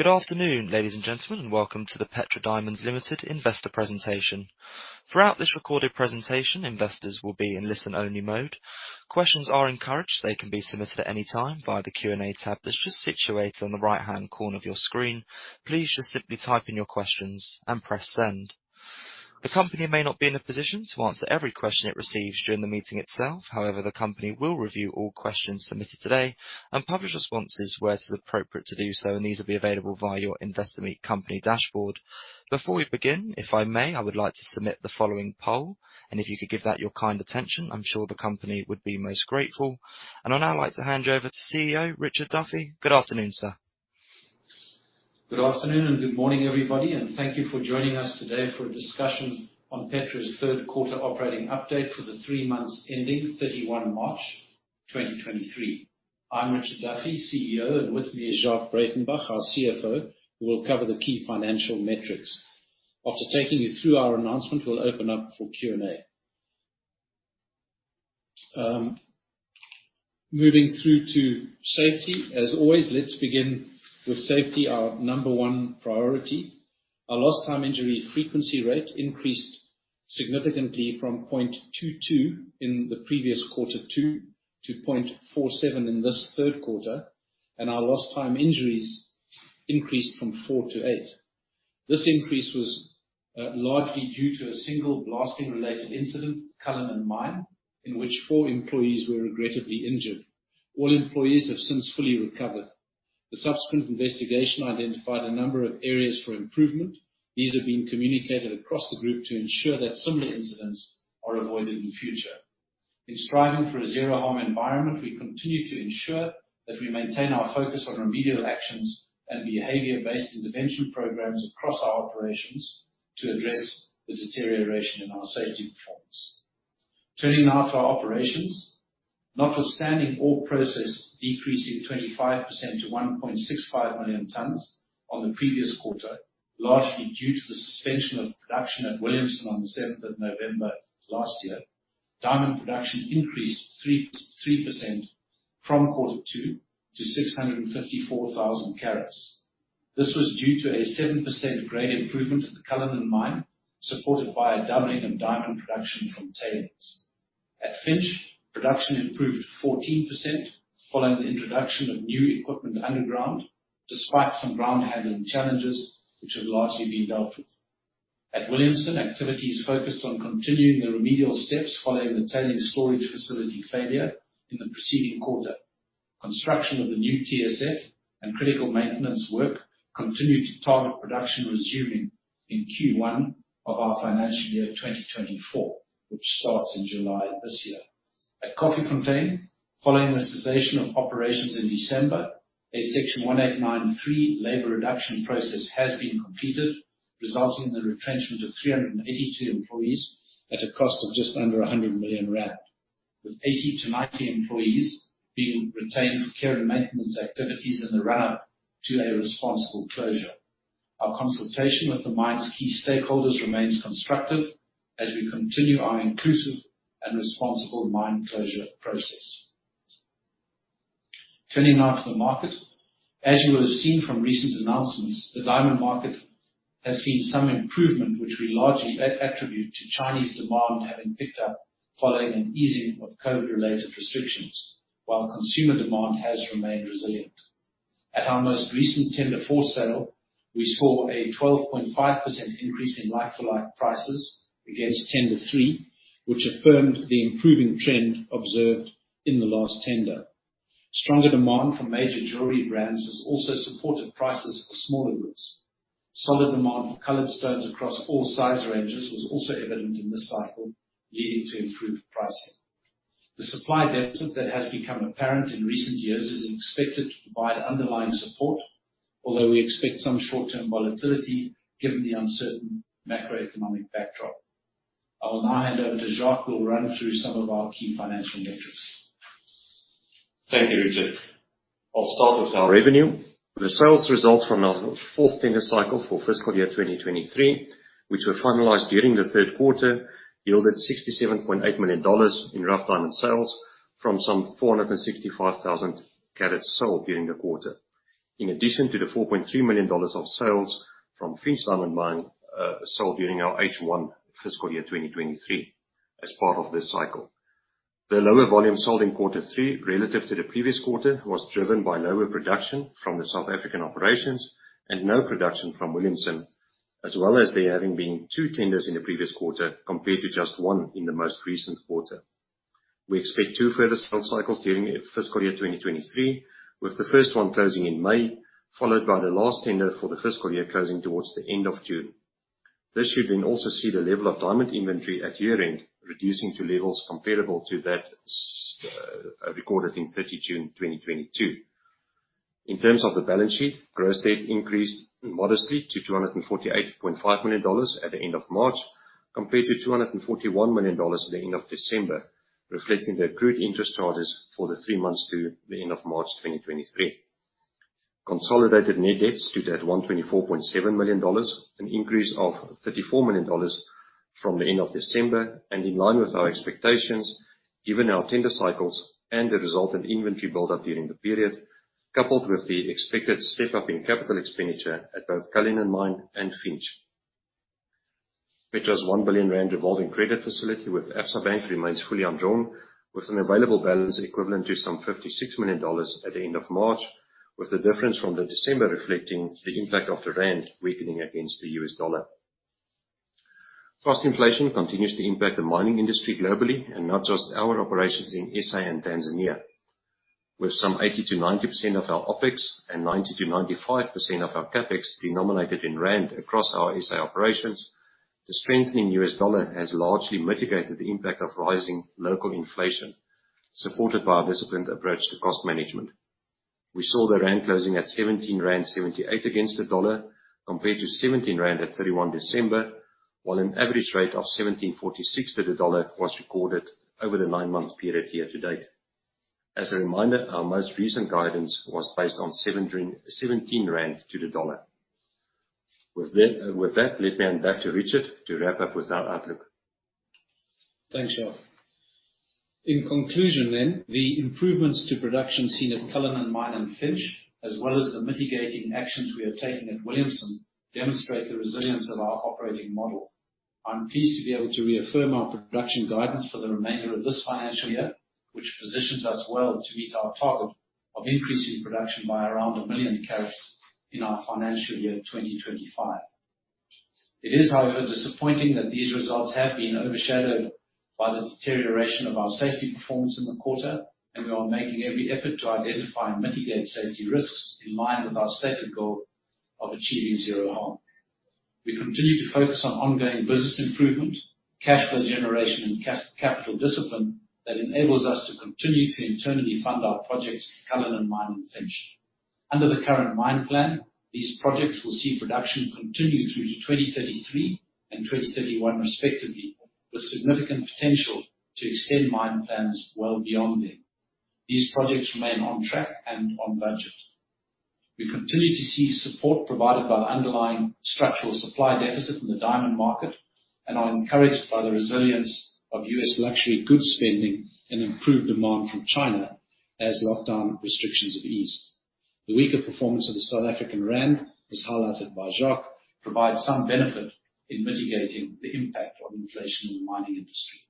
Good afternoon, ladies and gentlemen, and welcome to the Petra Diamonds Limited investor Presentation. Throughout this recorded presentation, investors will be in listen-only mode. Questions are encouraged. They can be submitted at any time via the Q&A tab that's just situated on the right-hand corner of your screen. Please just simply type in your questions and press Send. The company may not be in a position to answer every question it receives during the meeting itself. However, the company will review all questions submitted today and publish responses where it is appropriate to do so, and these will be available via your Investor Meet Company dashboard. Before we begin, if I may, I would like to submit the following poll, and if you could give that your kind attention, I'm sure the company would be most grateful. I'd now like to hand you over to CEO Richard Duffy. Good afternoon, sir. Good afternoon and good morning, everybody, thank you for joining us today for a discussion on Petra's third quarter operating update for the three months ending March 31 2023. I'm Richard Duffy, CEO, and with me is Jacques Breytenbach, our CFO, who will cover the key financial metrics. After taking you through our announcement, we'll open up for Q&A. Moving through to safety. As always, let's begin with safety, our number one priority. Our lost time injury frequency rate increased significantly from 0.22 in the previous quarter 2 to 0.47 in this third quarter, and our lost time injuries increased from 4-8. This increase was largely due to a single blasting-related incident, Cullinan Mine, in which four employees were regrettably injured. All employees have since fully recovered. The subsequent investigation identified a number of areas for improvement. These are being communicated across the group to ensure that similar incidents are avoided in the future. In striving for a zero-harm environment, we continue to ensure that we maintain our focus on remedial actions and behavior-based intervention programs across our operations to address the deterioration in our safety performance. Turning now to our operations. Notwithstanding ore process decreasing 25% to 1.65 million tons on the previous quarter, largely due to the suspension of production at Williamson on the 7th of November last year, diamond production increased 3% from quarter two to 654,000 carats. This was due to a 7% grade improvement at the Cullinan Mine, supported by a doubling of diamond production from tailings. At Finsch, production improved 14% following the introduction of new equipment underground, despite some ground handling challenges which have largely been dealt with. At Williamson, activities focused on continuing the remedial steps following the tailings storage facility failure in the preceding quarter. Construction of the new TSF and critical maintenance work continued to target production resuming in Q1 of our financial year of 2024, which starts in July this year. At Koffiefontein, following the cessation of operations in December, a Section 189 labor reduction process has been completed, resulting in the retrenchment of 382 employees at a cost of just under 100 million rand, with 80-90 employees being retained for care and maintenance activities in the run-up to a responsible closure. Our consultation with the mine's key stakeholders remains constructive as we continue our inclusive and responsible mine closure process. Turning now to the market. As you will have seen from recent announcements, the diamond market has seen some improvement, which we largely attribute to Chinese demand having picked up following an easing of COVID-related restrictions, while consumer demand has remained resilient. At our most recent tender for sale, we saw a 12.5% increase in like-for-like prices against tender three, which affirmed the improving trend observed in the last tender. Stronger demand from major jewelry brands has also supported prices for smaller goods. Solid demand for colored stones across all size ranges was also evident in this cycle, leading to improved pricing. The supply deficit that has become apparent in recent years is expected to provide underlying support, although we expect some short-term volatility given the uncertain macroeconomic backdrop. I will now hand over to Jacques, who will run through some of our key financial metrics. Thank you, Richard. I'll start with our revenue. The sales results from our fourth tender cycle for fiscal year 2023, which were finalized during the third quarter, yielded $67.8 million in rough diamond sales from some 465,000 carats sold during the quarter. In addition to the $4.3 million of sales from Finsch Diamond Mine sold during our H1 fiscal year 2023 as part of this cycle. The lower volume sold in quarter three relative to the previous quarter was driven by lower production from the South African operations and no production from Williamson, as well as there having been two tenders in the previous quarter compared to just one in the most recent quarter. We expect two further sales cycles during fiscal year 2023, with the first one closing in May, followed by the last tender for the fiscal year closing towards the end of June. This should also see the level of diamond inventory at year-end reducing to levels comparable to that recorded in 30 June 2022. In terms of the balance sheet, gross debt increased modestly to $248.5 million at the end of March compared to $241 million at the end of December, reflecting the accrued interest charges for the 3 months to the end of March 2023. Consolidated net debt stood at $124.7 million, an increase of $34 million, from the end of December and in line with our expectations, given our tender cycles and the resultant inventory build-up during the period, coupled with the expected step-up in capital expenditure at both Cullinan Mine and Finsch. Petra's 1 billion rand revolving credit facility with Absa Bank remains fully undrawn, with an available balance equivalent to some $56 million at the end of March, with the difference from the December reflecting the impact of the rand weakening against the U.S. dollar. Cost inflation continues to impact the mining industry globally and not just our operations in SA and Tanzania. With some 80%-90% of our OpEx and 90%-95% of our CapEx denominated in ZAR across our SA operations, the strengthening U.S. dollar has largely mitigated the impact of rising local inflation, supported by our disciplined approach to cost management. We saw the ZAR closing at 17.78 rand against the US dollar, compared to 17 rand at 31 December, while an average rate of 17.46 to the U.S. dollar was recorded over the nine-month period year to date. As a reminder, our most recent guidance was based on 17 rand to the U.S. dollar. With that, let me hand back to Richard to wrap up with our outlook. Thanks, Jacques. In conclusion then, the improvements to production seen at Cullinan Mine and Finsch, as well as the mitigating actions we are taking at Williamson, demonstrate the resilience of our operating model. I'm pleased to be able to reaffirm our production guidance for the remainder of this financial year, which positions us well to meet our target of increasing production by around 1 million carats in our financial year 2025. It is, however, disappointing that these results have been overshadowed by the deterioration of our safety performance in the quarter, and we are making every effort to identify and mitigate safety risks in line with our stated goal of achieving zero harm. We continue to focus on ongoing business improvement, cash flow generation, and capital discipline that enables us to continue to internally fund our projects at Cullinan Mine and Finsch. Under the current mine plan, these projects will see production continue through to 2033 and 2031 respectively, with significant potential to extend mine plans well beyond them. These projects remain on track and on budget. We continue to see support provided by the underlying structural supply deficit in the diamond market, and are encouraged by the resilience of U.S. luxury goods spending and improved demand from China as lockdown restrictions have eased. The weaker performance of the South African rand, as highlighted by Jacques, provides some benefit in mitigating the impact of inflation in the mining industry.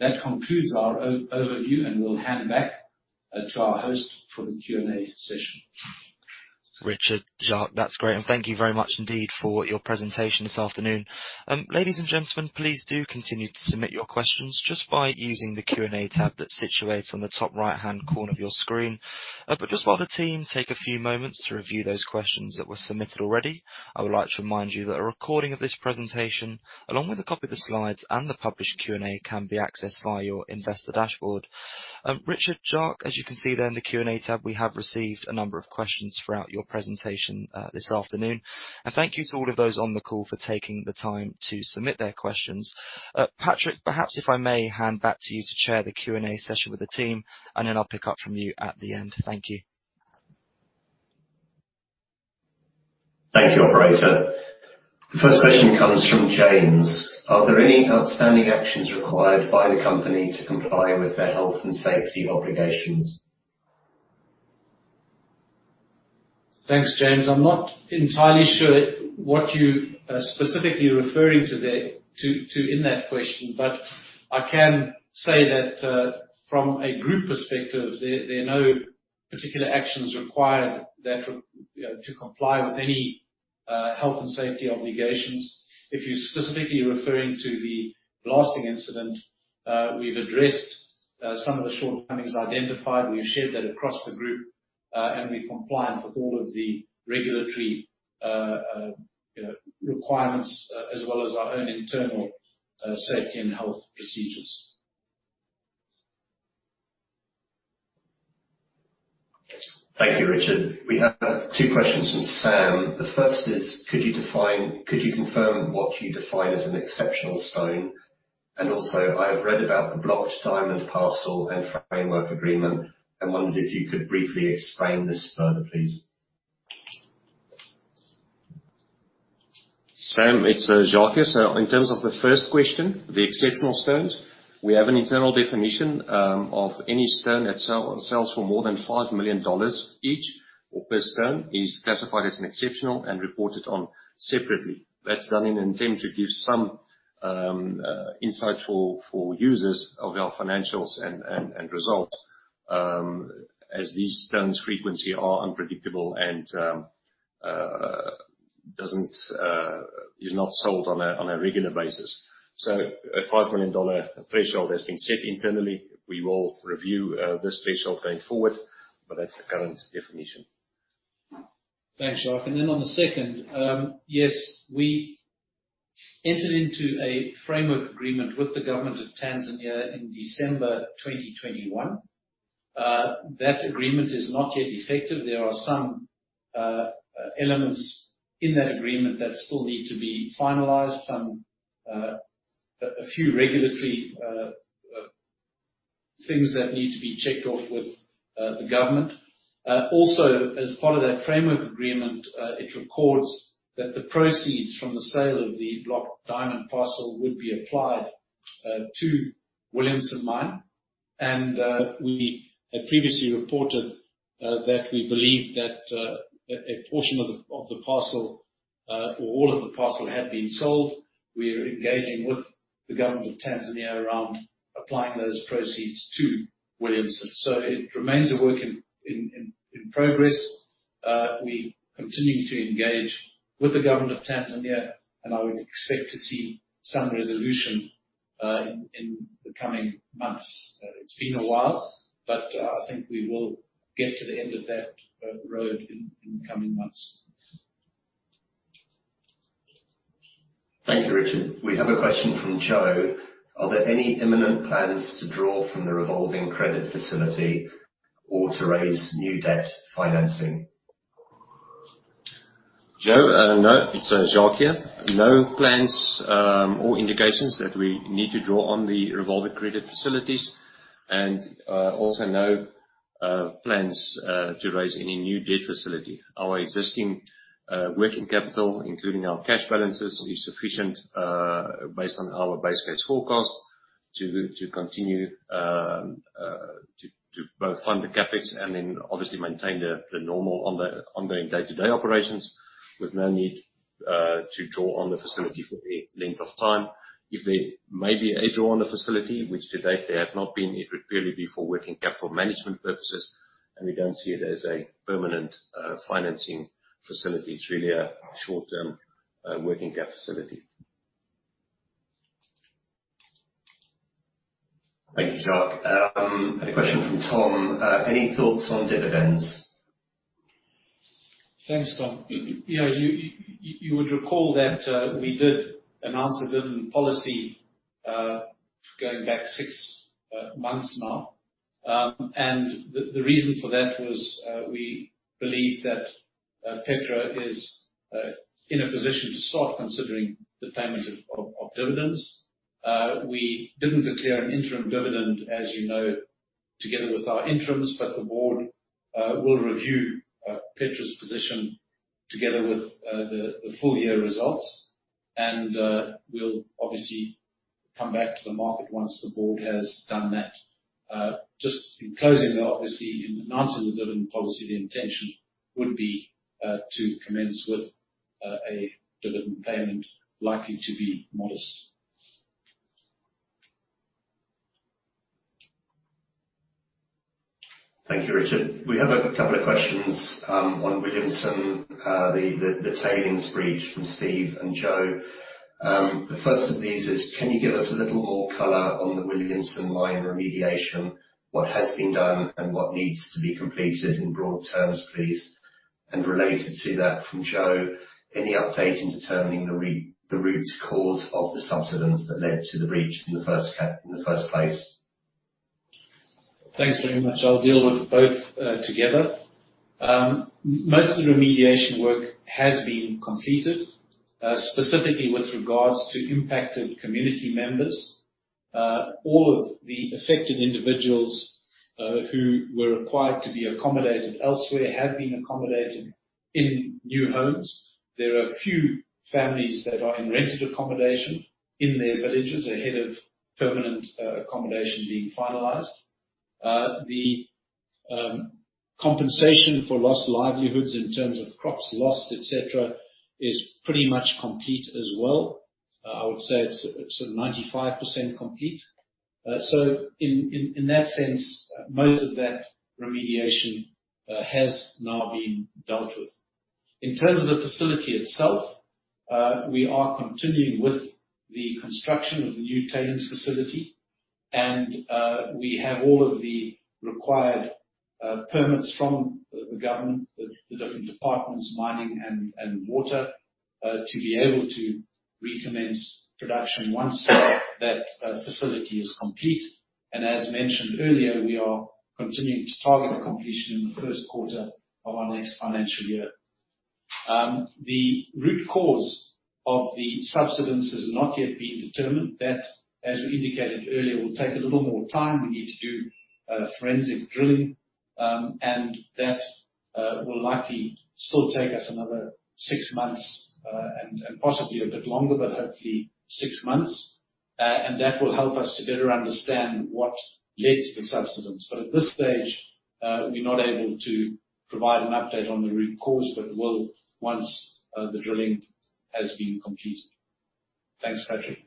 That concludes our overview, and we'll hand back to our host for the Q&A session. Richard, Jacques, that's great. Thank you very much indeed for your presentation this afternoon. Ladies and gentlemen, please do continue to submit your questions just by using the Q&A tab that's situated on the top right-hand corner of your screen. Just while the team take a few moments to review those questions that were submitted already, I would like to remind you that a recording of this presentation, along with a copy of the slides and the published Q&A, can be accessed via your investor dashboard. Richard, Jacques, as you can see there in the Q&A tab, we have received a number of questions throughout your presentation this afternoon. Thank you to all of those on the call for taking the time to submit their questions. Patrick, perhaps if I may hand back to you to chair the Q&A session with the team, then I'll pick up from you at the end. Thank you. Thank you, operator. The first question comes from James. Are there any outstanding actions required by the company to comply with their health and safety obligations? Thanks, James. I'm not entirely sure what you are specifically referring to in that question, but I can say that from a group perspective, there are no particular actions required to comply with any health and safety obligations. If you're specifically referring to the blasting incident, we've addressed some of the shortcomings identified. We have shared that across the group, and we're compliant with all of the regulatory, you know, requirements, as well as our own internal safety and health procedures. Thank you, Richard. We have two questions from Sam. The first is, could you confirm what you define as an Exceptional Stone? Also, I've read about the blocked diamond parcel and framework agreement, and wondered if you could briefly explain this further, please. Sam, it's Jacques. In terms of the first question, the exceptional stones, we have an internal definition of any stone that sells for more than $5 million each or per stone is classified as an exceptional and reported on separately. That's done in an attempt to give some insight for users of our financials and results, as these stones' frequency are unpredictable and is not sold on a regular basis. A $5 million threshold has been set internally. We will review this threshold going forward, but that's the current definition. Thanks, Jacques. On the second, yes, we entered into a framework agreement with the Government of Tanzania in December 2021. That agreement is not yet effective. There are some elements in that agreement that still need to be finalized. Some a few regulatory Things that need to be checked off with the Government. Also as part of that framework agreement, it records that the proceeds from the sale of the blocked diamond parcel would be applied to Williamson mine. We had previously reported that we believe that a portion of the parcel or all of the parcel had been sold. We're engaging with the Government of Tanzania around applying those proceeds to Williamson. It remains a work in progress. We continue to engage with the government of Tanzania, and I would expect to see some resolution, in the coming months. It's been a while, but I think we will get to the end of that road in the coming months. Thank you, Richard. We have a question from Joe. Are there any imminent plans to draw from the revolving credit facility or to raise new debt financing? Joe, no. It's Jacques here. No plans or indications that we need to draw on the revolving credit facilities and also no plans to raise any new debt facility. Our existing working capital, including our cash balances, is sufficient based on our base case forecast to continue to both fund the CapEx and then obviously maintain the normal on the ongoing day-to-day operations with no need to draw on the facility for the length of time. If there may be a draw on the facility, which to date there have not been, it would purely be for working capital management purposes, and we don't see it as a permanent financing facility. It's really a short-term working cap facility. Thank you, Jacques. A question from Tom. Any thoughts on dividends? Thanks, Tom. Yeah, you would recall that we did announce a dividend policy, going back six months now. The reason for that was, we believe that Petra is in a position to start considering the payment of dividends. We didn't declare an interim dividend as you know, together with our interims, but the board will review Petra's position together with the full year results. We'll obviously come back to the market once the board has done that. Just in closing, though, obviously in announcing the dividend policy, the intention would be to commence with a dividend payment likely to be modest. Thank you, Richard. We have a couple of questions on Williamson. The tailings breach from Steve and Joe. The first of these is can you give us a little more color on the Williamson mine remediation, what has been done and what needs to be completed in broad terms, please? Related to that from Joe, any update in determining the root cause of the subsidence that led to the breach in the first place? Thanks very much. I'll deal with both together. Most of the remediation work has been completed specifically with regards to impacted community members. All of the affected individuals who were required to be accommodated elsewhere have been accommodated in new homes. There are a few families that are in rented accommodation in their villages ahead of permanent accommodation being finalized. The compensation for lost livelihoods in terms of crops lost, et cetera, is pretty much complete as well. I would say it's, sort of, 95% complete. In that sense, most of that remediation has now been dealt with. In terms of the facility itself, we are continuing with the construction of the new tailings facility. We have all of the required permits from the government, the different departments, mining and water, to be able to recommence production once that facility is complete. As mentioned earlier, we are continuing to target completion in the first quarter of our next financial year. The root cause of the subsidence has not yet been determined. That, as we indicated earlier, will take a little more time. We need to do forensic drilling, and that will likely still take us another six months, and possibly a bit longer, but hopefully six months. That will help us to better understand what led to the subsidence. At this stage, we're not able to provide an update on the root cause, but will once the drilling has been completed. Thanks, Patrick.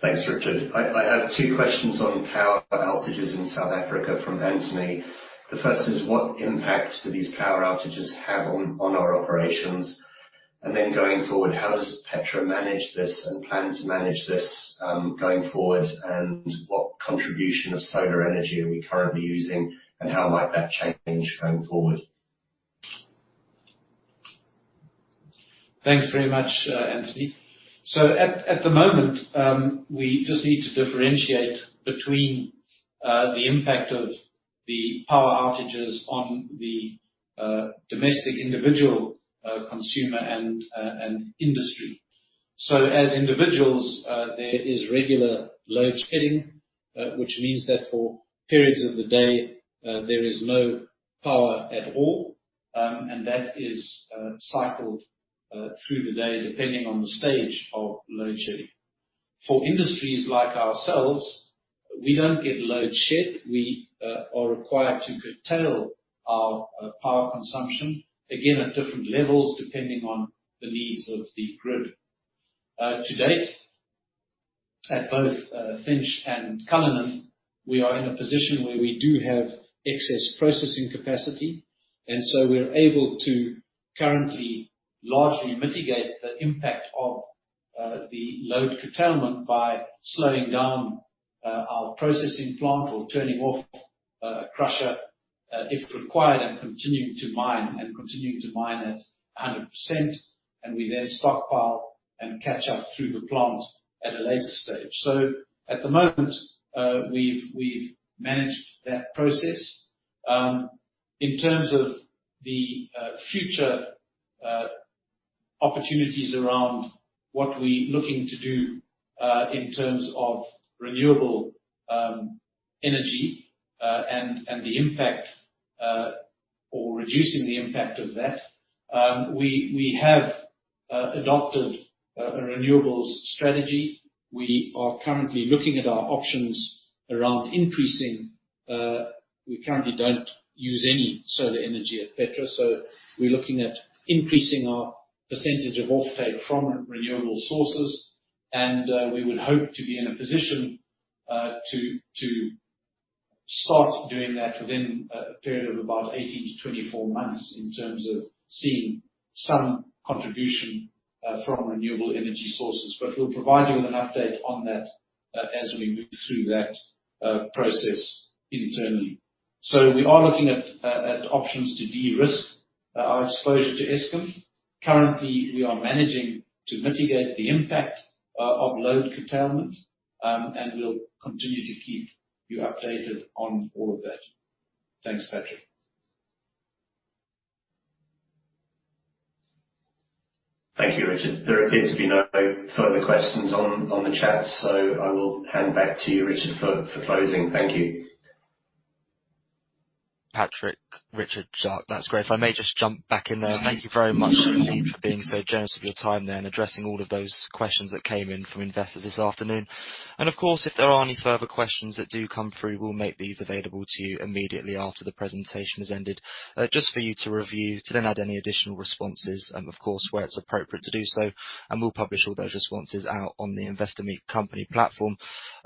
Thanks, Richard. I have two questions on power outages in South Africa from Anthony. The first is what impact do these power outages have on our operations? Going forward, how does Petra manage this and plan to manage this going forward? What contribution of solar energy are we currently using, and how might that change going forward? Thanks very much, Anthony. At the moment, we just need to differentiate between the impact of the power outages on the domestic individual, consumer and industry. As individuals, there is regular load shedding, which means that for periods of the day, there is no power at all. That is cycled through the day, depending on the stage of load shedding. For industries like ourselves, we don't get load shed. We are required to curtail our power consumption, again, at different levels, depending on the needs of the grid. To date, at both Finsch and Cullinan, we are in a position where we do have excess processing capacity, and so we're able to currently largely mitigate the impact of the load curtailment by slowing down our processing plant or turning off a crusher, if required, and continuing to mine at 100%. We then stockpile and catch up through the plant at a later stage. At the moment, we've managed that process. In terms of the future opportunities around what we're looking to do in terms of renewable energy, and the impact, or reducing the impact of that, we have adopted a renewables strategy. We are currently looking at our options around increasing. We currently don't use any solar energy at Petra, so we're looking at increasing our % of offtake from renewable sources. We would hope to be in a position to start doing that within a period of about 18-24 months in terms of seeing some contribution from renewable energy sources. We'll provide you with an update on that as we move through that process internally. We are looking at options to de-risk our exposure to Eskom. Currently, we are managing to mitigate the impact of load curtailment, and we'll continue to keep you updated on all of that. Thanks, Patrick. Thank you, Richard. There appears to be no further questions on the chat, so I will hand back to you, Richard, for closing. Thank you. Patrick, Richard, Jacques, that's great. If I may just jump back in there. Thank you very much indeed for being so generous with your time there and addressing all of those questions that came in from investors this afternoon. Of course, if there are any further questions that do come through, we'll make these available to you immediately after the presentation has ended, just for you to review to then add any additional responses, of course, where it's appropriate to do so, and we'll publish all those responses out on the Investor Meet Company platform.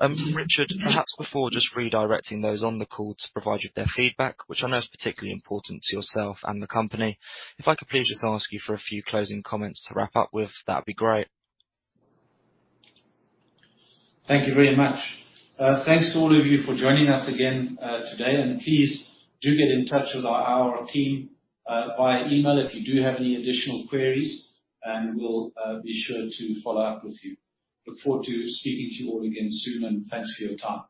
Richard, perhaps before just redirecting those on the call to provide you with their feedback, which I know is particularly important to yourself and the company, if I could please just ask you for a few closing comments to wrap up with, that'd be great. Thank you very much. Thanks to all of you for joining us again today. Please do get in touch with our team via email if you do have any additional queries. We'll be sure to follow up with you. Look forward to speaking to you all again soon. Thanks for your time.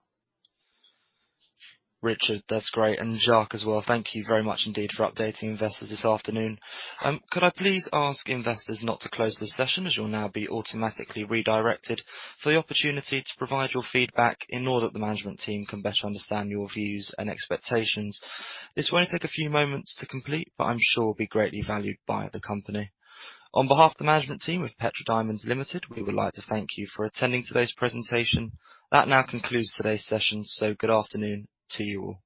Richard, that's great, and Jacques as well. Thank you very much indeed for updating investors this afternoon. Could I please ask investors not to close this session as you'll now be automatically redirected for the opportunity to provide your feedback in order that the management team can better understand your views and expectations. This will only take a few moments to complete, but I'm sure will be greatly valued by the company. On behalf of the management team of Petra Diamonds Limited, we would like to thank you for attending today's presentation. That now concludes today's session. Good afternoon to you all.